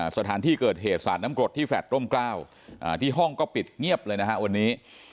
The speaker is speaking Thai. สถานที่เกิดเหตุสาดน้ำกรดที่แฟลตร่มกล้าวที่ห้องก็ปิดเงียบเลยนะฮะวันนี้